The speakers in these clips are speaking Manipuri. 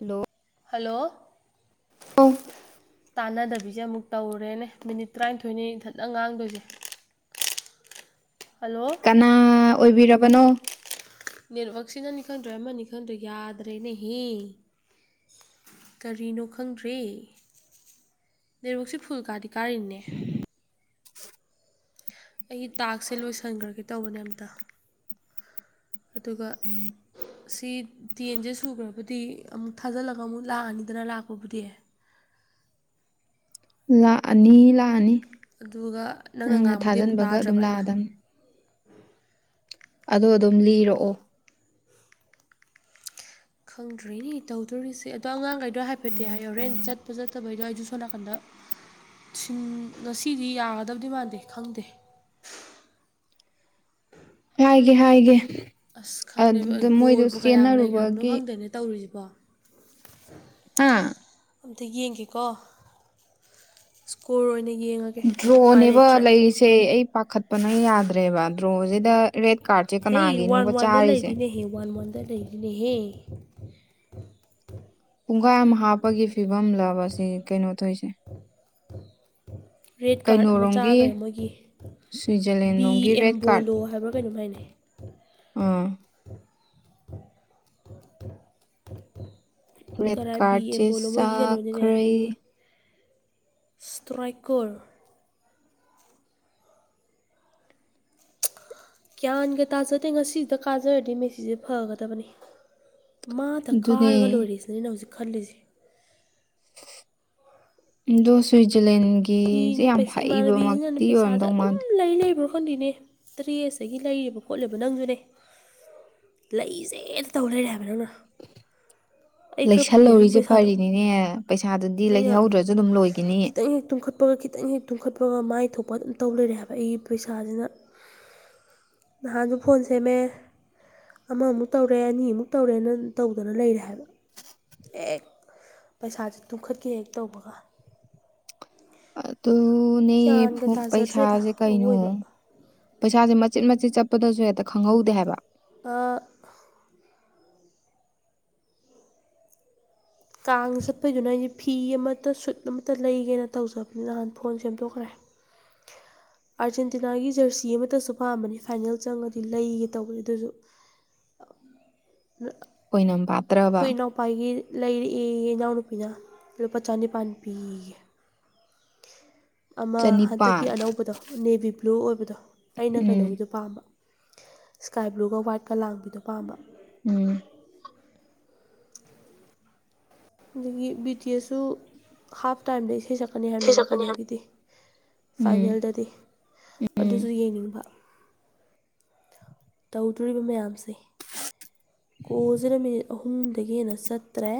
ꯍꯜꯂꯣ ꯍꯂꯣ ꯑꯣ ꯇꯥꯟꯅꯗꯕꯤꯁꯦ ꯑꯃꯨꯛ ꯇꯧꯔꯦꯅꯦ ꯃꯤꯅꯤꯠ ꯇꯔꯥꯅꯤꯊꯣꯏꯅꯤ ꯏꯊꯠꯅ ꯉꯥꯡꯗꯣꯏꯁꯦ ꯍꯜꯂꯣ ꯅꯅꯥ ꯑꯣꯏꯕꯤꯔꯕꯅꯣ ꯅꯦꯠꯋꯛꯁꯤꯅꯅꯤ ꯈꯪꯗ꯭ꯔꯦ ꯑꯃꯅꯤ ꯈꯟꯗ꯭ꯔꯣ ꯌꯥꯗ꯭ꯔꯦꯅꯦꯍ ꯀꯔꯤꯅꯣ ꯈꯪꯗ꯭ꯔꯔꯤ ꯂꯩꯔꯣꯛꯁꯦ ꯐꯨꯜ ꯀꯥꯗꯤ ꯀꯥꯔꯤꯅꯦ ꯑꯩꯒꯤ ꯇꯥꯛꯁꯁꯦ ꯂꯣꯏꯁꯟꯈ꯭ꯔꯒꯦ ꯇꯧꯕꯅꯦ ꯑꯝꯇ ꯑꯗꯨꯒ ꯁꯤ ꯇꯦꯟꯁꯦ ꯁꯨꯈ꯭ꯔꯕꯗꯤ ꯑꯃꯨꯛ ꯊꯥꯖꯤꯜꯂꯒ ꯑꯃꯨꯛ ꯂꯥꯛꯑꯅꯤꯗꯅ ꯂꯥꯛꯄꯕꯨꯗꯤ ꯂꯥꯛꯑꯅꯤ ꯂꯥꯛꯑꯅꯤ ꯑꯗꯨꯒ ꯅꯪꯅ ꯉꯥꯡꯕꯗꯤ ꯑꯃꯨꯛ ꯊꯥꯖꯤꯟꯕꯒ ꯑꯗꯨꯝ ꯇꯥꯗ꯭ꯔꯕ ꯑꯩꯅ ꯂꯥꯛꯑꯗꯕꯅꯤ ꯑꯗꯣ ꯑꯗꯨꯝ ꯂꯤꯔꯛꯑꯣ ꯈꯪꯗ꯭ꯔꯦꯅꯦ ꯇꯧꯗꯣꯔꯤꯁꯦ ꯑꯗꯣ ꯑꯉꯥꯡꯈꯩꯗꯣ ꯍꯥꯏꯐꯦꯠꯇꯤ ꯍꯣꯔꯦꯟ ꯆꯠꯄ ꯆꯠ ꯐꯠꯇꯕꯩꯗꯣ ꯑꯩꯁꯨ ꯁꯣꯝ ꯅꯥꯀꯟꯗꯟ ꯉꯁꯤꯗꯤ ꯌꯥꯒꯗꯕꯗꯤ ꯃꯥꯟꯗꯦ ꯈꯪꯗꯦ ꯍꯥꯏꯒꯦ ꯍꯥꯏꯒꯦ ꯑꯁ ꯈꯪꯗꯦꯅꯦ ꯑꯗꯨꯗ ꯃꯣꯏꯗꯣ ꯒꯣꯜꯕꯨ ꯀꯌꯥꯝ ꯂꯩꯈ꯭ꯔꯕꯅꯣ ꯆꯦꯟꯅꯔꯨꯕꯒꯤ ꯈꯪꯗꯦꯅꯦ ꯇꯧꯔꯤꯁꯤꯕꯣ ꯑꯥ ꯑꯝꯇ ꯌꯦꯡꯒꯦꯀꯣ ꯏꯁꯀꯣꯔ ꯑꯣꯏꯅ ꯌꯦꯡꯉ ꯗ꯭ꯔꯣꯅꯦꯕ ꯂꯩꯔꯤꯁꯦ ꯑꯩ ꯄꯥꯈꯠꯄꯅ ꯌꯥꯗ꯭ꯔꯦꯕ ꯗ꯭ꯔꯣꯁꯤꯗ ꯔꯦꯗ ꯀꯥꯔꯠ ꯍꯦ ꯋꯥꯟ ꯋꯥꯟꯗ ꯂꯩꯔꯤꯅꯦꯍꯦ ꯋꯥꯟ ꯋꯥꯟꯗ ꯂꯩꯔꯤꯅꯦꯍꯦ ꯄꯨꯡꯈꯥꯏ ꯑꯃ ꯍꯥꯞꯄꯒꯤ ꯐꯤꯕꯝꯂ ꯑꯁꯤ ꯀꯩꯅꯣ ꯇꯧꯔꯤꯁꯦ ꯔꯦꯗ ꯀꯥꯔꯠ ꯑꯃ ꯀꯩꯅꯣꯔꯣꯝꯒꯤ ꯆꯥꯈꯔꯦ ꯃꯣꯏꯒꯤ ꯁ꯭ꯋꯤꯖꯔꯂꯦꯟ ꯕꯤ ꯂꯣꯝꯒꯤ ꯔꯦꯠ ꯑꯦꯝꯕꯣꯂꯣ ꯍꯥꯏꯕ꯭ꯔꯥ ꯀꯩꯅꯣꯝ ꯍꯥꯏꯅꯤ ꯎꯝ ꯔꯦꯠ ꯀꯔꯥꯏ ꯕꯤ ꯀꯥꯔꯠꯁꯦ ꯑꯦꯝꯕꯣꯂꯣ ꯃꯣꯏꯒꯤ ꯀꯩꯅꯣꯅꯤꯅꯦ ꯆꯥꯈ꯭ꯔꯦ ꯏꯁꯇ꯭ꯔꯥꯏꯀꯔ ꯒ꯭ꯌꯥꯟꯒ ꯇꯥꯖꯗꯦ ꯉꯁꯤꯁꯤꯗ ꯀꯥꯖꯔꯗꯤ ꯃꯦꯁꯤꯁꯦ ꯐꯒꯗꯕꯅꯤ ꯃꯥꯗ ꯑꯗꯨꯅꯦ ꯀꯥꯔꯒ ꯂꯣꯏꯔꯤꯁꯤꯅ ꯑꯩꯅ ꯍꯧꯖꯤꯛ ꯈꯜꯂꯤꯁꯦ ꯑꯗꯣ ꯁ꯭ꯋꯤꯖꯔꯂꯦꯟꯒꯤꯁꯦ ꯃꯤꯅ ꯌꯥꯝ ꯄꯩꯁꯥ ꯏꯃꯥꯟꯅꯕꯤꯁꯤꯅꯅꯦ ꯍꯩꯕꯃꯛꯇꯤ ꯄꯩꯁꯥꯁꯦ ꯑꯣꯏꯔꯝꯗꯧ ꯑꯗꯨꯝ ꯃꯥꯟꯗꯦ ꯂꯩ ꯂꯩꯕ꯭ꯔꯥ ꯈꯪꯗꯅꯦ ꯗꯔꯦꯁꯇꯒꯤ ꯂꯩꯔꯤꯕ ꯈꯣꯠꯂꯤꯕ ꯅꯪꯖꯨꯅꯦ ꯂꯩꯁꯦꯅ ꯇꯧ ꯂꯩꯔꯦ ꯍꯥꯏꯕ ꯅꯪꯅ ꯑꯩ ꯈꯔ ꯂꯩꯁꯜ ꯄꯨꯒꯦ ꯅꯪ ꯂꯧꯔꯤꯁꯦ ꯄꯩꯁꯥꯗꯣ ꯐꯔꯤꯅꯤꯅꯦ ꯄꯩꯁꯥꯗꯨꯗꯤ ꯂꯩꯍꯧꯗ꯭ꯔꯁꯨ ꯑꯗꯨꯝ ꯂꯣꯏꯒꯤꯅꯤ ꯇꯨꯡ ꯀꯞꯄꯒ ꯈꯤꯇꯪ ꯍꯦꯛ ꯇꯨꯝꯈꯠꯄꯒ ꯃꯥꯏ ꯊꯣꯛꯄꯒ ꯑꯗꯨꯝ ꯇꯧ ꯂꯩꯔꯦ ꯍꯥꯏꯕ ꯑꯩꯒꯤ ꯄꯩꯁꯥꯁꯤꯅ ꯅꯍꯥꯟꯁꯨ ꯐꯣꯟ ꯁꯦꯝꯃꯦ ꯑꯃꯃꯨꯛ ꯇꯧꯔꯦ ꯑꯅꯤꯃꯨꯛ ꯇꯧꯔꯦꯅ ꯇꯧꯗꯅ ꯂꯩꯔꯦ ꯍꯥꯏꯕ ꯍꯦꯛ ꯄꯩꯁꯥꯥꯁꯦ ꯇꯨꯡꯈꯠꯀꯦ ꯍꯦꯛ ꯇꯧꯕꯒ ꯑꯗꯨꯅꯦ ꯒ꯭ꯌꯥꯟꯒ ꯇꯥꯖꯗ꯭ꯔꯦꯗ ꯄꯩꯁꯥꯁꯦ ꯀꯩꯅꯣ ꯑꯋꯣꯏꯕ ꯄꯩꯁꯥꯁꯦ ꯃꯆꯤꯠ ꯃꯆꯤꯠ ꯆꯠꯄꯗꯁꯨ ꯍꯦꯛꯇ ꯈꯪꯍꯧꯗꯦ ꯍꯥꯏꯕ ꯑꯥ ꯀꯥꯡ ꯆꯠꯄꯩꯗꯨꯅ ꯑꯩꯁꯦ ꯐꯤ ꯑꯃꯠꯇ ꯁꯨꯠ ꯑꯃꯠꯇ ꯂꯩꯒꯦꯅ ꯇꯧꯖꯕꯅꯤꯅ ꯅꯍꯥꯟ ꯐꯣꯟ ꯁꯦꯝꯗꯣꯛꯈ꯭ꯔꯦ ꯑꯥꯔꯖꯦꯟꯇꯤꯅꯥꯒꯤ ꯖꯔꯁꯤ ꯑꯃꯠꯇꯁꯨ ꯄꯥꯝꯕꯅꯤ ꯐꯥꯏꯅꯦꯜ ꯆꯪꯉꯗꯤ ꯂꯩꯒꯦ ꯇꯧꯕꯅꯤ ꯑꯗꯨꯁꯨ [unintelligible] ꯑꯣꯏꯅꯝꯄꯥꯠ ꯑꯩꯈꯣꯏ ꯏꯅꯥꯎꯄꯥꯒꯤ ꯂꯩꯔꯛꯑꯦ ꯏꯅꯥꯎꯅꯨꯄꯤꯅ ꯂꯨꯄꯥ ꯆꯅꯤꯄꯥꯥꯟ ꯄꯤꯒꯦ ꯑꯃ ꯍꯟꯗꯛꯀꯤ ꯆꯅꯤꯄꯥꯟ ꯑꯅꯧꯕꯗꯣ ꯅꯦꯚꯤ ꯕ꯭ꯂꯨ ꯑꯣꯏꯕꯗꯣ ꯑꯩꯅ ꯎꯝ ꯀꯩꯅꯣꯒꯤꯗꯣ ꯄꯥꯝꯕ ꯁ꯭ꯀꯥꯏ ꯕ꯭ꯂꯨꯒ ꯋꯥ꯭ꯋꯥꯏꯠꯀ ꯂꯥꯡꯕꯤꯗꯣ ꯄꯥꯝꯕ ꯎꯝ ꯑꯗꯒꯤ ꯕꯤ ꯇꯤ ꯑꯦꯁꯨ ꯍꯥꯐ ꯇꯥꯏꯝꯗꯒꯤ ꯏꯁꯩ ꯁꯛꯄ ꯀꯛꯀꯅꯤ ꯍꯥꯏꯕꯅꯦꯕ ꯀꯩꯅꯣꯒꯤꯗꯤ ꯎꯝ ꯐꯥꯏꯅꯦꯜꯗꯗꯤ ꯎꯝ ꯑꯗꯨꯁꯨ ꯌꯦꯡꯅꯤꯡꯕ ꯇꯧꯗꯣꯔꯤꯕ ꯃꯌꯥꯝꯁꯦ ꯀꯣꯜꯁꯤꯅ ꯃꯤꯅꯤꯠ ꯑꯍꯨꯝꯗꯒꯤ ꯍꯦꯟꯅ ꯆꯠꯇ꯭ꯔꯦ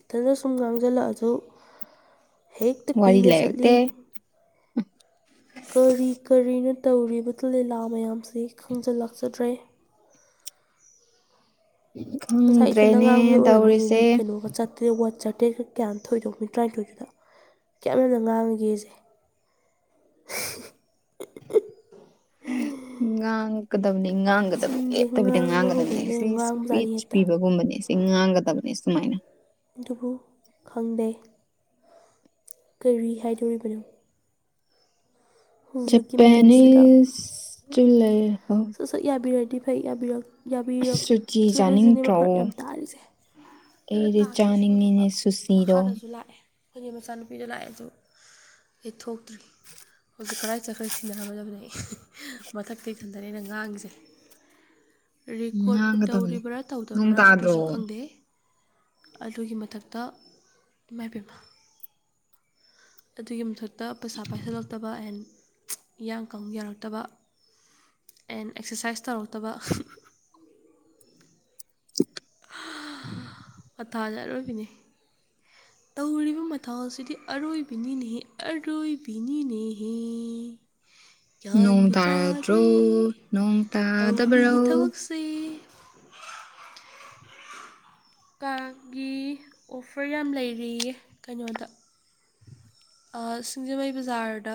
ꯏꯊꯟꯗ ꯁꯨꯝ ꯉꯥꯡꯁꯤꯜꯂꯛꯑꯁꯨ ꯍꯦꯛꯇ ꯋꯥꯔꯤ ꯀꯨꯏꯅ ꯆꯠꯂꯤ ꯂꯩꯔꯛꯇꯦ ꯀꯔꯤ ꯀꯔꯤꯅ ꯇꯧꯔꯤꯕ ꯂꯤꯂꯥ ꯃꯌꯥꯝꯁꯤ ꯈꯪꯖꯤꯜ ꯂꯥꯛꯆꯗ꯭ꯔꯦ ꯉꯁꯥꯏ ꯏꯊꯟꯗ ꯈꯪꯗ꯭ꯔꯦꯅꯦ ꯉꯥꯡꯕ ꯑꯣꯏꯔꯝꯅꯤ ꯇꯧꯔꯤꯁꯦ ꯃꯤꯅꯤꯠ ꯀꯩꯅꯣ ꯆꯠꯇꯦ ꯋꯥꯠ ꯆꯠꯇꯦꯒ ꯀꯌꯥ ꯊꯣꯛꯣꯏꯏꯗꯧ ꯃꯤꯠ ꯇꯔꯥꯅꯤꯊꯣꯏꯗꯨꯗ ꯀꯌꯥꯝ ꯌꯥꯝꯅ ꯉꯥꯡꯉꯒꯦ ꯑꯩꯁꯦ [unintelligible] ꯉꯥꯡ ꯀꯗꯕꯅꯤ ꯉꯥꯡꯒꯗꯕꯅꯤ ꯆꯤꯟꯁꯦ ꯂꯦꯞꯛꯇꯕꯤꯗ ꯉꯥꯡꯕ ꯉꯥꯡꯒꯗꯕꯅꯤ ꯍꯧꯕꯁꯤꯗ ꯁꯤ ꯌꯥꯝ ꯉꯥꯡꯕꯖꯥꯠꯅꯤ ꯏꯁꯄꯤꯆ ꯍꯦꯛꯇ ꯄꯤꯕꯒꯨꯝꯕꯅꯤ ꯉꯥꯡꯒꯗꯕꯅꯤ ꯁꯨꯃꯥꯏꯅ ꯑꯗꯨꯕꯨ ꯈꯪꯗꯦ ꯀꯔꯤ ꯍꯥꯏꯗꯣꯔꯤꯕꯅꯣ ꯍꯧꯖꯤꯛꯀꯤ ꯃꯇꯝꯁꯤꯗ ꯖꯄꯥꯅꯤꯁꯇꯤ ꯂꯩꯔꯦ ꯈꯪꯗꯦ ꯁꯛ ꯌꯥꯕꯤꯔꯗꯤ ꯐꯩꯔꯛ ꯁꯨꯆꯤ ꯌꯥꯕꯤꯔꯛꯇ꯭ꯔꯤꯕꯁꯤꯅꯦꯕ ꯐꯔꯛ ꯌꯥꯝ ꯇꯥꯔꯤꯁꯦ ꯑꯩꯅ ꯑꯩꯗꯤꯦ ꯇꯥꯛꯁꯤ ꯆꯥꯅꯤꯡꯅꯤꯅꯦ ꯁꯨꯁꯤꯗꯣ ꯑꯩꯣꯏꯒꯤ ꯃꯆꯥꯅꯨꯄꯤꯗꯣ ꯂꯥꯛꯑꯦꯁꯨ ꯍ ꯊꯣꯛꯇ꯭ꯔꯤ ꯍꯧꯖꯤꯛ ꯀꯔꯥꯏ ꯆꯠꯈ꯭ꯔ ꯊꯤꯅꯔꯝꯃꯗꯕꯅꯦ ꯑꯩ ꯃꯊꯛꯇꯒꯤꯊ ꯑꯗꯨꯗ ꯑꯩꯅ ꯉꯥꯡꯉꯤꯁꯦ ꯔꯦꯀꯣꯔꯠꯄꯨ ꯉꯥꯡꯒꯗꯕꯅꯦ ꯇꯧꯔꯤꯕ꯭ꯔꯥ ꯅꯣꯡ ꯇꯧꯗꯕ꯭ꯔꯥ ꯇꯥꯗ꯭ꯔꯣ ꯑꯗꯨꯁꯨ ꯈꯪꯗꯦ ꯑꯗꯨꯒꯤ ꯃꯊꯛꯇ ꯏꯃꯥꯏꯕꯃ ꯑꯗꯨꯒꯤ ꯃꯊꯛꯇ ꯄꯩꯁꯥ ꯄꯥꯏꯁꯤꯜꯂꯛꯇꯕ ꯑꯦꯟ ꯍꯤꯌꯥꯡ ꯀ ꯌꯥꯔꯛꯇꯕ ꯑꯦꯟ ꯑꯦꯛꯁꯔꯁꯥꯏꯁ ꯇꯧꯔꯛꯇꯕ [unintelligible] ꯄꯊꯥꯖꯠꯔꯣꯏꯕꯤꯅꯦ ꯇꯧꯔꯤꯕ ꯃꯊꯥꯎ ꯑꯁꯤꯗꯤ ꯑꯔꯣꯏꯕꯤꯅꯤꯅꯦꯍꯦ ꯑꯔꯣꯏꯕꯤꯅꯤꯅꯦꯍꯦ ꯅꯣꯡ ꯌꯥꯗ ꯆꯥꯗ ꯇꯥꯗ꯭ꯔꯣ ꯅꯣꯡ ꯇꯧꯔꯤ ꯇꯥꯗꯕ꯭ꯔꯣ ꯊꯕꯛꯁꯤ ꯁ ꯀꯥꯒꯤ ꯑꯣꯐꯔ ꯌꯥꯝ ꯂꯩꯔꯤꯌꯦ ꯀꯩꯅꯣꯗ ꯁꯤꯡꯖꯃꯩ ꯕꯖꯥꯔꯗ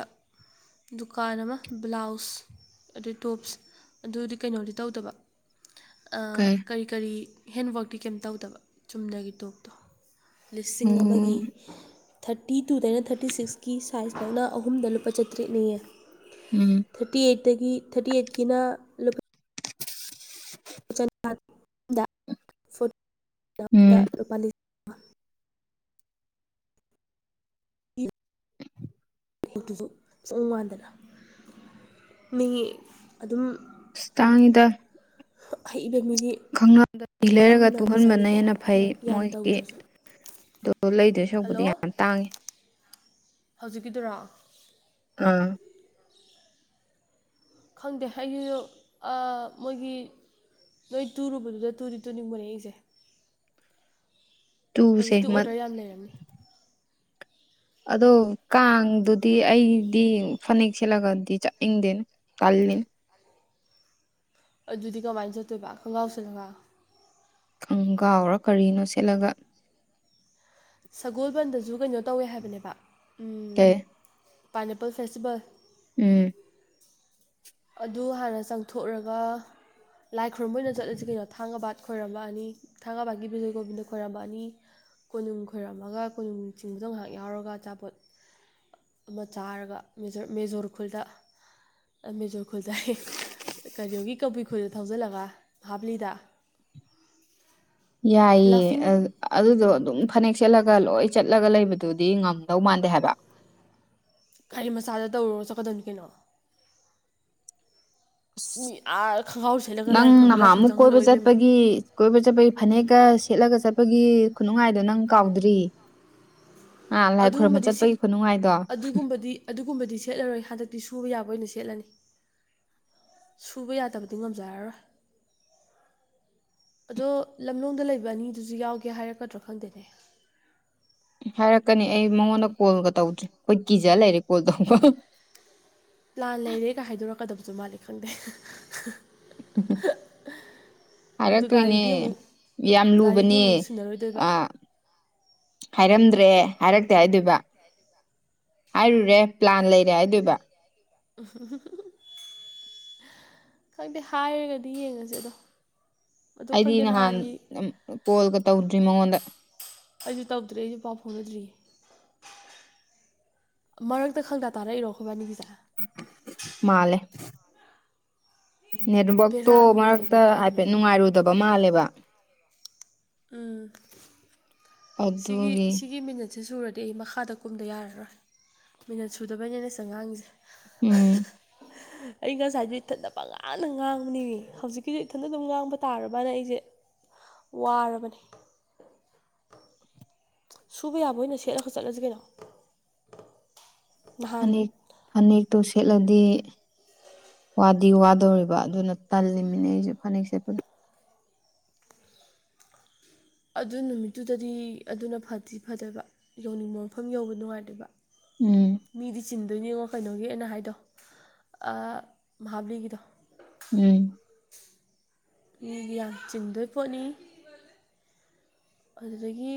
ꯗꯨꯀꯥꯟ ꯑꯃ ꯕ꯭ꯂꯥꯎꯁ ꯑꯗꯨꯗꯩ ꯇꯣꯞꯁ ꯑꯗꯨꯗꯤ ꯀꯩꯅꯣꯗꯤ ꯇꯧꯗꯕ ꯀꯩ ꯀꯔꯤ ꯀꯔꯤ ꯍꯦꯟꯋꯔꯇꯤ ꯀꯩꯝ ꯇꯧꯗꯕ ꯆꯨꯝꯅꯒꯤ ꯇꯣꯛꯇꯣ ꯂꯤꯁꯤꯡ ꯑꯣ ꯑꯃꯒꯤ ꯊꯥꯔꯇꯤ ꯇꯨꯗꯩꯅ ꯊꯔꯇꯤ ꯊꯔꯇꯤ ꯁꯤꯛꯁꯀꯤ ꯁꯥꯏꯖꯇꯧꯅ ꯑꯍꯨꯝꯗ ꯂꯨꯄꯥ ꯆꯥꯇ꯭ꯔꯦꯠꯅꯤꯌꯦ ꯎꯝ ꯊꯔꯇꯤ ꯑꯩꯠꯇꯒꯤ ꯊꯔꯇꯤ ꯑꯩꯠꯀꯤꯅ [unintelligible] ꯎꯝ ꯐꯨꯄꯥ ꯌꯦ ꯍꯦꯛꯇꯨꯁꯨ ꯈꯤ ꯆꯪ ꯃꯥꯟꯗꯅ ꯃꯤꯒꯤ ꯑꯗꯨꯝ ꯇꯥꯡꯉꯗ ꯍ ꯈꯗ ꯂꯩꯔꯒ ꯌꯥꯝꯅ ꯇꯨꯍꯟꯕꯅ ꯕꯖꯥꯠꯅꯤꯀꯣ ꯍꯦꯟꯅ ꯐꯩ ꯌꯥꯝ ꯃꯣꯏꯒꯤ ꯇꯧꯗ꯭ꯔꯁꯨ ꯑ ꯂꯩꯗꯣꯏ ꯁꯛꯄꯗꯤ ꯌꯥꯝ ꯇꯥꯡꯉꯤ ꯍꯧꯖꯤꯛꯀꯤꯗꯨꯔꯥ ꯑ ꯈꯪꯗꯦ ꯍꯥꯏ ꯃꯣꯏꯒꯤ ꯅꯣꯏ ꯇꯨꯨꯔꯨꯕꯗꯨꯗ ꯇꯨꯗꯤ ꯇꯨꯅꯤꯡꯕꯅꯦ ꯑꯩꯁꯦ ꯇꯨꯁꯦ ꯍꯧꯖꯤꯛꯇꯤ ꯑꯣꯔꯗꯔ ꯌꯥꯝ ꯂꯩꯔꯝꯃꯦ ꯑꯗꯣ ꯀꯥꯡꯗꯨꯗꯤ ꯑꯩꯗꯤ ꯐꯅꯦꯛ ꯁꯦꯠꯂꯒꯗꯤ ꯆꯠꯅꯤꯡꯗꯦꯅꯦ ꯀꯜꯂꯤ ꯑꯗꯨꯗꯤ ꯀꯃꯥꯏꯅ ꯆꯠꯇꯣꯏꯕ ꯈꯣꯡꯒ꯭ꯔꯥꯎ ꯆꯠꯂꯒꯥꯎ ꯈꯪ ꯀꯥꯎꯔꯣ ꯀꯔꯤꯅꯣ ꯁꯦꯠꯂꯒ ꯁꯒꯣꯜꯕꯟꯗꯖ ꯀꯩꯅꯣ ꯇꯧꯋꯦ ꯍꯥꯏꯕꯅꯦꯕ ꯑꯦ ꯄꯥꯏꯅꯦꯄꯜ ꯐꯦꯁꯇꯤꯚꯦꯜ ꯎꯝ ꯑꯗꯨ ꯍꯥꯟꯅ ꯆꯪꯊꯣꯛꯔꯒ ꯂꯥꯏ ꯈꯨꯣꯏꯔꯨꯝꯝꯕ ꯑꯣꯏꯅ ꯆꯠꯂꯁꯤ ꯀꯩꯅꯣ ꯊꯥꯡꯒꯕꯥꯠ ꯈꯣꯏꯔꯝꯕꯑꯅꯤ ꯊꯥꯡꯒꯥꯕꯒꯤ ꯕꯤꯖꯣꯏꯒꯣꯕꯤꯟꯗ ꯈꯣꯏꯏꯔꯝꯕ ꯑꯅꯤ ꯀꯣꯅꯨꯡ ꯈꯣꯏꯔꯝꯃꯒ ꯀꯣꯅꯨꯡ ꯆꯤꯡꯕꯗꯣ ꯉꯥꯏꯍꯥꯛ ꯌꯥꯎꯔꯒ ꯑꯆꯥꯄꯣꯠ ꯑꯃ ꯆꯥꯔꯒ ꯃꯦꯖꯣꯔ ꯈꯨꯜꯗ ꯃꯦꯖꯣꯔ ꯈꯨꯜꯁ ꯀꯔꯤꯣꯒꯤ ꯀꯧꯕꯕꯨꯤ ꯈꯨꯜꯗ ꯊꯧꯖꯤꯜꯂꯒ ꯍꯥꯞꯂꯤꯗ ꯌꯥꯏꯌꯦ ꯂꯥꯐꯤꯡ ꯑ ꯑꯗꯨꯗꯣ ꯑꯗꯨꯝ ꯐꯅꯦꯛ ꯁꯦꯠꯂꯒ ꯂꯣꯏ ꯆꯠꯂꯒ ꯂꯩꯕꯗꯨꯗꯤ ꯉꯝꯗꯧ ꯃꯥꯟꯗꯦ ꯍꯥꯏꯕ ꯒꯥꯔꯤ ꯃꯆꯥꯗ ꯇꯧꯔꯣ ꯆꯠꯀꯗꯧꯅꯤ ꯀꯩꯅꯣ ꯑꯁ ꯃꯤ ꯑꯥ ꯈꯣꯡꯒ꯭ꯔꯥꯎ ꯁꯦꯠꯂꯒ ꯅꯪ ꯂꯥꯏ ꯈꯨꯔꯨꯝꯕ ꯂꯥꯏꯁꯪ ꯅꯍꯥꯃꯨꯛ ꯀꯣꯏꯕ ꯆꯪꯍꯜꯂꯛꯑꯣ ꯏꯕꯦꯝꯃ ꯆꯠꯄꯒꯤ ꯀꯣꯏꯕ ꯆꯠꯄꯒꯤ ꯐꯅꯦꯛꯀ ꯁꯦꯠꯂꯒ ꯆꯠꯄꯒꯤ ꯈꯨꯅꯨꯡꯉꯥꯏꯗꯣ ꯅꯪ ꯀꯥꯎꯗ꯭ꯔꯤ ꯑꯥ ꯂꯥꯏ ꯈꯨꯣꯏꯔꯨꯝꯕ ꯑꯗꯨꯒꯨꯝꯕꯗꯤ ꯁꯦꯠ ꯆꯠꯄꯒꯤ ꯈꯨꯅꯨꯡꯉꯥꯏꯗꯣ ꯑꯗꯨꯒꯨꯝꯕꯗꯤ ꯑꯗꯨꯒꯨꯝꯕꯗꯤ ꯁꯦꯠꯂꯔꯣꯏ ꯍꯟꯗꯛꯇꯤ ꯁꯨꯕ ꯌꯥꯕ ꯑꯣꯏꯅ ꯁꯦꯠꯂꯅꯤ ꯁꯨꯕ ꯌꯥꯗꯕꯗꯤ ꯉꯝꯖꯔꯔꯣꯏ ꯑꯗꯣ ꯂꯝꯂꯣꯡꯗ ꯂꯩꯕ ꯑꯅꯤꯗꯨꯁꯨ ꯌꯥꯎꯒꯦ ꯍꯥꯏꯔꯛꯀꯗ꯭ꯔꯣ ꯈꯪꯗꯦꯅꯦ ꯍꯥꯏꯔꯛꯀꯅꯤ ꯑꯩ ꯃꯉꯣꯟꯗ ꯀꯣꯜꯒ ꯇꯧꯗ꯭ꯔꯦ ꯑꯩꯈꯣꯏ ꯀꯤꯖ ꯂꯩꯔꯦ ꯀꯣꯜ ꯇꯧꯕ ꯂꯥꯟ ꯂꯩꯔꯦꯒ ꯍꯥꯏꯗꯣꯔꯛꯀꯗꯕꯁꯨ ꯃꯥꯜꯂꯦ ꯈꯪꯗꯦ ꯎ ꯑꯗꯣ ꯍꯥꯏꯔꯛꯇꯣꯏꯅꯦ ꯒꯥꯔꯤꯗꯤ ꯑꯃꯨꯛ ꯌꯥꯝ ꯒꯥꯔꯤꯗꯤ ꯂꯨꯕꯅꯦ ꯑꯃꯨꯛ ꯁꯤꯟꯅꯔꯣꯏꯗꯣꯏꯕ ꯑ ꯍꯥꯏꯔꯝꯗ꯭ꯔꯦ ꯍꯥꯏꯔꯛꯇꯦ ꯍꯥꯏꯗꯣꯏꯕ ꯍꯥꯏꯔꯨꯔꯦ ꯄ꯭ꯂꯥꯟ ꯂꯩꯔꯦ ꯍꯥꯏꯗꯣꯏꯕ ꯎꯝ ꯈꯪꯗꯦ ꯍꯥꯏꯔꯒꯗꯤ ꯌꯦꯡꯉꯁꯦ ꯑꯗꯣ ꯑꯗꯣ ꯑꯩꯗꯤ ꯈꯪꯗꯦ ꯅꯍꯥꯟ ꯅꯍꯥꯟꯒꯤ ꯀꯣꯜꯒ ꯇꯧꯗ꯭ꯔꯤ ꯃꯉꯣꯟꯗ ꯑꯩꯁꯨ ꯇꯧꯗ꯭ꯔꯦ ꯑꯩꯁꯨ ꯄꯥꯎ ꯐꯥꯎꯅꯗ꯭ꯔꯤꯌꯦ ꯃꯔꯛꯇ ꯈꯪꯗ ꯇꯥꯔꯛꯏꯔꯣ ꯈꯣꯕꯅꯤ ꯁꯤꯁꯥ ꯃꯥꯜꯂꯦ ꯕꯦꯔꯥ ꯅꯦꯠꯋꯔꯛꯇꯣ ꯑꯃꯗꯤ ꯃꯔꯛꯇ ꯂꯩꯔꯤ ꯍꯥꯏꯐꯦꯠ ꯀꯥꯏꯗꯅꯣꯃ ꯅꯨꯡꯉꯥꯏꯔꯨꯗꯕ ꯃꯥꯜꯂꯦꯕ ꯎꯝ ꯁꯤꯒꯤ ꯑꯗꯨꯒꯤ ꯁꯤꯒꯤ ꯃꯤꯅꯠ ꯁꯤ ꯁꯨꯔꯗꯤ ꯑꯩ ꯃꯈꯥꯗ ꯀꯨꯝꯗ ꯌꯥꯔꯔꯣꯏ ꯃꯤꯅꯠ ꯁꯨꯗꯕꯩꯅꯤꯅꯦ ꯁꯤꯗꯉꯥꯡꯁꯦ ꯎꯝ [inaudible] ꯑꯩ ꯉꯁꯥꯏꯗꯣ ꯏꯊꯟꯗ ꯄꯉꯥꯟꯅ ꯉꯥꯡꯕꯅꯤ ꯍꯧꯖꯤꯛꯀꯤꯁꯨ ꯏꯊꯟꯗ ꯑꯗꯨꯝ ꯉꯥꯡꯕ ꯇꯥꯔꯕꯅ ꯑꯩꯁꯦ ꯋꯥꯔꯕꯅꯤ ꯁꯨꯕ ꯌꯥꯕꯣ ꯑꯣꯏꯅ ꯁꯦꯠꯂꯒ ꯆꯠꯂꯁꯤ ꯀꯩꯅꯣ ꯅꯍꯥꯟ ꯐꯅꯦꯛ ꯐꯅꯦꯛꯇꯣ ꯁꯦꯠꯂꯗꯤ ꯋꯥꯗꯤ ꯋꯥꯗꯧꯔꯤꯕ ꯑꯗꯨꯅ ꯇꯜꯂꯤꯃꯤꯅꯦ ꯑꯩꯁꯨ ꯐꯅꯦꯛꯁꯦꯠꯄ ꯑꯗꯨ ꯅꯨꯃꯤꯠꯇꯨꯗꯗꯤ ꯑꯗꯨꯅ ꯐꯗꯤ ꯐꯗꯕ ꯌꯧꯅꯤꯡꯕ ꯃꯐꯝ ꯌꯧꯕ ꯅꯨꯡꯉꯥꯏꯇꯦꯕ ꯎꯝ ꯃꯤꯗꯤ ꯆꯤꯟꯗꯣꯏꯅꯦ ꯌꯦꯡꯉꯣ ꯀꯩꯅꯣꯒꯤꯅ ꯍꯥꯏꯗꯣ ꯃꯍꯥꯕꯂꯤꯒꯤꯗꯣ ꯎꯝ ꯃꯤꯕꯨ ꯌꯥꯝ ꯆꯤꯡꯗꯣꯏ ꯄꯣꯠꯅꯤ ꯑꯗꯨꯗꯒꯤ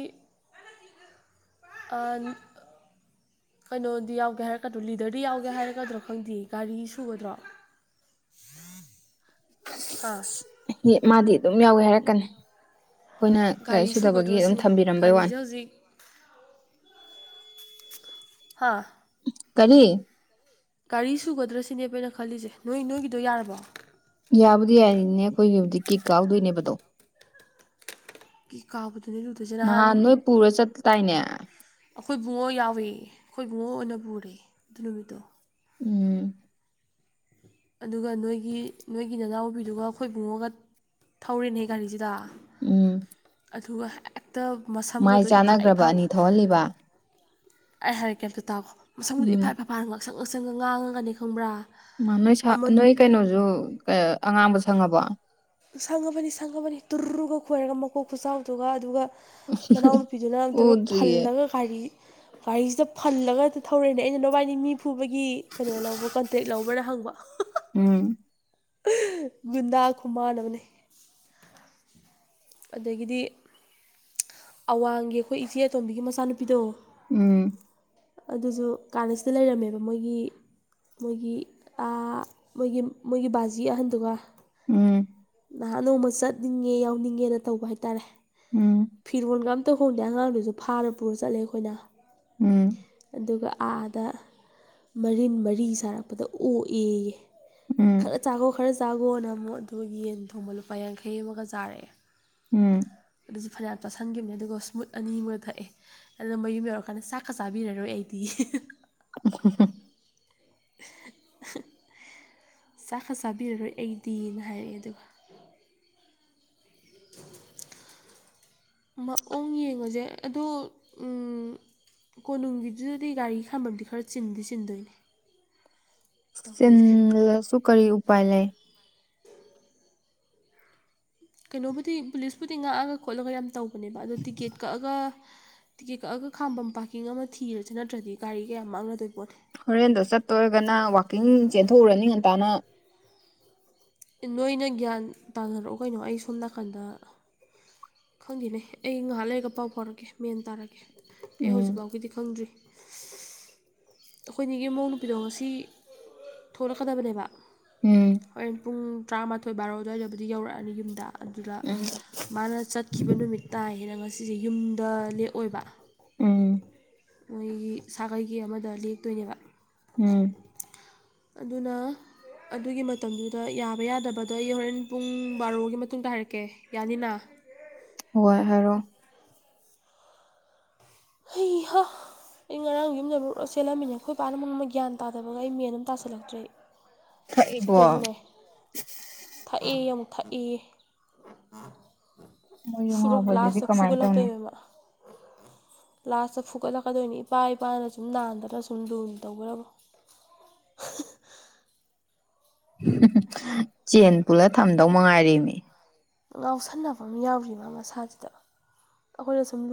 ꯀꯩꯅꯣꯗꯤ ꯌꯥꯎꯒꯦ ꯍꯥꯏꯔꯛꯀꯗ꯭ꯔꯣ ꯂꯤꯗꯔꯗꯤ ꯌꯥꯎꯒꯦ ꯍꯥꯏꯔꯛꯀꯗ꯭ꯔꯣ ꯈꯪꯗꯦ ꯒꯥꯔꯤ ꯁꯨꯒꯗ꯭ꯔꯣ ꯑꯥ ꯃꯥꯗꯤ ꯑꯗꯨꯝ ꯌꯥꯎꯋꯦ ꯍꯥꯏꯔꯛꯀꯅꯤ ꯑꯩꯈꯣꯏꯅ ꯒꯥꯔꯤ ꯁꯨꯒꯗ꯭ꯔꯣ ꯁꯨꯗꯕꯒꯤ ꯑꯗꯨꯝ ꯁꯤꯅꯤ ꯊꯝꯕꯤꯔꯝꯕꯩ ꯋꯥꯅꯦ ꯒꯥꯔꯤꯁꯦ ꯍꯧꯖꯤꯛ ꯍꯥꯥ ꯀꯔꯤ ꯒꯥꯔꯤ ꯁꯨꯒꯗ꯭ꯔ ꯁꯤꯅꯕꯩꯅꯦ ꯈꯜꯂꯤꯁꯦ ꯅꯣꯏ ꯅꯣꯏꯒꯤꯗꯣ ꯌꯥꯔꯕꯣ ꯌꯥꯕꯨꯗꯤ ꯌꯥꯔꯤꯅꯦ ꯑꯩꯈꯣꯏꯒꯤ ꯍꯧꯖꯤꯛ ꯀꯤꯛ ꯀꯥꯎꯗꯣꯏꯅꯦꯕꯗꯣ ꯀꯤ ꯀꯥꯎꯕꯗꯨꯅꯦ ꯂꯨꯗꯣꯏꯁꯦ ꯅꯍꯥꯟ ꯅꯣꯏ ꯄꯨꯔ ꯆꯠꯄ ꯇꯥꯏꯅꯦ ꯑꯩꯈꯣꯏ ꯕꯨꯡꯉꯣ ꯌꯥꯎꯏ ꯑꯩꯈꯣꯏ ꯕꯨꯡꯉꯣ ꯑꯣꯏꯅ ꯄꯨꯔꯦ ꯑꯗꯨ ꯅꯨꯃꯤꯠꯇꯣ ꯎꯝ ꯑꯗꯨꯒ ꯅꯣꯏꯒꯤ ꯅꯣꯏꯒꯤ ꯅꯅꯥꯎꯕꯤꯗꯨꯒ ꯑꯩꯈꯣꯏꯕꯨꯡꯉꯣꯒ ꯊꯧꯔꯤꯅꯦ ꯒꯥꯔꯤꯁꯤꯗ ꯎꯝ ꯑꯗꯨꯒ ꯍꯦꯛꯇ ꯃꯁꯝꯒꯗꯣ ꯏꯐꯥ ꯏꯐꯥ ꯊꯣꯛꯍꯜꯂꯤꯕ ꯑꯩ ꯍꯥꯏꯒꯦ ꯑꯝꯇꯥ ꯇꯥꯎꯈꯣ ꯃꯁꯪꯕꯨꯗꯤ ꯎꯝ ꯏꯐꯥ ꯏꯐꯐꯥꯅ ꯉꯥꯛꯁꯪ ꯉꯁꯪꯅ ꯉꯥꯡꯉꯒꯅꯤ ꯈꯪꯕ꯭ꯔꯥ ꯅꯣꯏ ꯁꯥ ꯑꯃ ꯅꯣꯏ ꯀꯩꯅꯣꯁꯨ ꯑꯉꯥꯡꯕ ꯁꯪꯉꯕꯣ ꯁꯪꯉꯕꯅꯤ ꯁꯪꯉꯕꯅꯤ ꯇꯨꯔꯨꯒ ꯈꯣꯏꯔꯒ ꯃꯀꯣꯛ ꯈꯨꯆꯥꯎꯗꯨꯒ ꯑꯗꯨꯒ ꯅꯅꯥꯎ ꯅꯨꯄꯤꯁꯨ ꯅꯅꯥꯎ ꯅꯨꯄꯤꯕ ꯎꯗ꯭ꯔꯤꯌꯦ ꯐꯜꯂꯒ ꯒꯔꯤ ꯒꯥꯔꯤꯁꯤꯗ ꯐꯜꯂꯒ ꯊꯧꯔꯛ ꯏꯅꯦ ꯑꯩꯅ ꯅꯕꯥꯏꯅꯤ ꯃꯤ ꯈꯣꯏꯒꯤ ꯀꯩꯅꯣ ꯂꯧꯕ ꯀꯟꯇ꯭ꯔꯦꯛ ꯂꯧꯕ꯭ꯔꯥ ꯍꯪꯕ ꯎꯝ ꯒꯨꯟꯗꯥ ꯈꯨꯃꯥꯟꯃꯅꯦ ꯑꯗꯒꯤꯗꯤ ꯑꯋꯥꯡꯒꯤ ꯑꯩꯈꯣꯏ ꯏꯆꯦ ꯑꯇꯣꯝꯕꯤꯒꯤ ꯃꯆꯥꯅꯨꯄꯤꯗꯣ ꯎꯝ ꯑꯗꯨꯁꯨ ꯀꯥꯟꯅꯁꯤꯗ ꯂꯩꯔꯝꯃꯦꯕ ꯃꯣꯏꯒꯤ ꯃꯣꯏꯒꯤ ꯑꯥ ꯃꯣꯏꯒꯤ ꯃꯣꯏꯒꯤ ꯕꯥꯖꯤ ꯑꯍꯟꯗꯨꯒ ꯎꯝ ꯅꯍꯥꯟ ꯅꯣꯡꯃ ꯆꯠꯅꯤꯡꯉꯦ ꯌꯥꯎꯅꯤꯡꯉꯦꯅ ꯇꯧꯕ ꯍꯥꯏꯇꯥꯔꯦ ꯎꯝ ꯐꯤꯔꯣꯜꯒ ꯑ ꯇꯧ ꯍꯣꯡꯗꯦ ꯑꯉꯥꯡꯗꯨꯁꯨ ꯐꯥꯔ ꯄꯨꯔ ꯆꯠꯂꯦ ꯑꯩꯈꯣꯏꯅ ꯎꯝ ꯑꯗꯨꯒ ꯑꯥꯗ ꯃꯔꯤꯟ ꯃꯔꯤ ꯁꯥꯔꯛꯄꯗ ꯑꯣꯛꯑꯌꯦ ꯎꯝ ꯆꯥꯈꯣ ꯈꯔ ꯆꯥꯈꯣꯅ ꯑꯃꯨꯛ ꯑꯗꯨꯒ ꯌꯦꯟ ꯊꯣꯡꯕ ꯂꯨꯄꯥ ꯌꯥꯡꯈꯩ ꯑꯃꯒ ꯆꯥꯔꯛꯑꯦ ꯎꯝ ꯑꯗꯨꯁꯨ ꯐꯅꯌꯥꯝ ꯆꯥꯁꯟꯈꯤꯕꯅꯦ ꯑꯗꯨꯒ ꯁ꯭ꯃꯨꯠ ꯑꯅꯤ ꯑꯃ ꯊꯛꯑꯦ ꯑꯗꯣ ꯃꯌꯨꯝ ꯌꯧꯔꯀꯥꯟꯗ ꯆꯥꯛꯀ ꯆꯥꯕꯤꯔꯔꯣꯏ ꯑꯩꯗꯤ [inaudible] [inaudible] ꯆꯥꯛꯀ ꯆꯥꯕꯤꯔꯔꯣꯏ ꯑꯩꯗꯤꯅ ꯍꯥꯏꯔꯛꯑꯦ ꯑꯗꯨꯒ [inaudible] ꯃꯑꯣꯡ ꯌꯦꯡꯉꯨꯁꯦ ꯑꯗꯣ ꯀꯣꯅꯨꯡꯒꯤꯗꯨꯗꯗꯤ ꯒꯥꯔꯤ ꯈꯥꯝꯕꯝꯗꯤ ꯈꯔ ꯆꯤꯟꯗꯤ ꯆꯤꯟꯗꯣꯏꯅꯦ ꯇꯧꯗꯣꯏꯁꯦ ꯆꯤꯟꯂꯥꯁꯨ ꯀꯔꯤ ꯎꯄꯥꯏ ꯂꯩ ꯀꯩꯅꯣꯕꯨꯗꯤ ꯄꯨꯂꯤꯁꯄꯨꯗꯤ ꯉꯥꯛꯑꯒ ꯈꯣꯠꯂꯒ ꯌꯥꯝ ꯇꯧꯕꯅꯦꯕ ꯑꯗꯣ ꯇꯤꯀꯦꯠ ꯀꯛꯑꯒ ꯇꯤꯀꯦꯠ ꯀꯛꯑꯒ ꯈꯥꯝꯕ ꯄꯥꯔꯀꯤꯡ ꯑꯃ ꯊꯤꯔꯁꯨꯦ ꯅꯠꯇ꯭ꯔꯗꯤ ꯒꯥꯔꯤ ꯀꯌꯥ ꯃꯥꯡꯅꯗꯣꯏ ꯄꯣꯠꯂꯦ ꯍꯣꯔꯦꯟꯗꯣ ꯆꯠꯇꯔꯒꯅ ꯋꯥꯛꯀꯤꯡ ꯆꯦꯟꯊꯣꯛꯎꯔꯅꯤ ꯉꯟꯇꯥꯅ ꯅꯣꯏꯅ ꯒ꯭ꯌꯥꯟ ꯇꯥꯅꯔꯛꯑꯣ ꯀꯩꯅꯣ ꯑꯩ ꯁꯣꯝ ꯅꯥꯀꯟꯗ ꯈꯪꯈꯤꯅꯦ ꯑꯩ ꯉꯥꯏꯍꯥꯛ ꯂꯩꯔꯒ ꯄꯥꯎ ꯐꯥꯎꯔꯛꯀꯦ ꯃꯦꯟ ꯇꯥꯔꯛꯀꯦ ꯑꯩ ꯎꯝ ꯍꯧꯖꯤꯛꯐꯥꯎꯒꯤꯗꯤ ꯈꯪꯗ꯭ꯔꯤ ꯑꯩꯈꯣꯏꯅꯤꯒꯤ ꯏꯃꯧ ꯅꯨꯄꯤꯗꯣ ꯉꯁꯤ ꯊꯣꯛꯂꯛꯀꯗꯕꯅꯦꯕ ꯎꯝ ꯍꯣꯔ ꯄꯨꯡ ꯇꯔꯥꯃꯥꯊꯣꯏ ꯕꯥꯔꯣ ꯑꯗꯨꯋꯥꯏꯗꯕꯨꯗꯤ ꯌꯧꯔꯛꯑꯅꯤ ꯌꯨꯝꯗ ꯑꯗꯨꯗ ꯎꯝ ꯃꯥꯅ ꯆꯠꯈꯤꯕ ꯅꯨꯃꯤꯠ ꯇꯥꯏ ꯍꯦꯅ ꯉꯁꯤꯁꯦ ꯌꯨꯝꯗ ꯂꯦꯛꯑꯣꯏꯕ ꯎꯝ ꯃꯣꯏꯒꯤ ꯁꯥꯒꯩꯒꯤ ꯑꯃꯗ ꯂꯦꯛꯇꯣꯏꯅꯦꯕ ꯎꯝ ꯑꯗꯨꯅ ꯑꯗꯨꯒꯤ ꯃꯇꯝꯗꯨꯗ ꯌꯥꯕ ꯌꯥꯗꯕꯗꯣ ꯑꯩ ꯍꯣꯔꯦꯟ ꯄꯨꯡ ꯕꯥꯔꯣꯒꯤ ꯃꯇꯨꯡꯗ ꯍꯥꯏꯔꯛꯀꯦ ꯌꯥꯅꯤꯅ ꯋꯥꯏ ꯍꯥꯏꯔꯣ ꯍꯩꯍ ꯑꯩ ꯉꯔꯥꯡ ꯌꯨꯝꯗ [unintelligible] ꯆꯦꯜꯂꯝꯃꯤꯅꯦ ꯑꯩꯈꯣꯏ ꯄꯥꯅ [unintelligible] ꯒ꯭ꯌꯥꯟ ꯇꯥꯗꯕꯒ ꯑꯩ ꯃꯦꯟ ꯑꯃ ꯇꯥꯁꯤꯜꯂꯛꯇ꯭ꯔꯦ ꯊꯛꯏꯕꯣ ꯁꯤꯗꯁꯨꯅꯦ ꯊꯛꯏ ꯑꯃꯨꯛ ꯊꯛꯏ ꯃꯣꯏ ꯌꯨ [unintelligible] ꯉꯥꯎꯕꯁꯤꯗꯤ ꯂꯥꯁꯇ ꯀꯃꯥꯏꯅ ꯇꯧꯅꯤ ꯐꯨꯒꯠꯂꯛꯇꯣꯏꯕꯃ ꯂꯥꯁꯇ ꯐꯨꯒꯠꯂꯛꯀꯗꯣꯏꯅꯤ ꯏꯄꯥ ꯏꯄꯥꯅ ꯁꯨꯝ ꯅꯥꯟꯗꯅ ꯁꯨꯝ ꯂꯨꯅ ꯇꯧꯕꯔꯕ꯭ꯔꯣ ꯆꯦꯟ ꯄꯨꯂ ꯊꯝꯗꯧ ꯃꯉꯥꯏꯔꯦꯃꯤ ꯉꯥꯎꯁꯟꯅꯕ ꯑꯃ ꯌꯥꯎꯔꯤ ꯃꯥ ꯃꯁꯥꯁꯤꯗ ꯑꯩꯈꯣꯏꯅ ꯁꯨꯝ ꯂꯨ